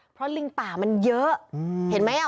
เพราะลิงป่ามันเยอะเห็นไหมอ่ะ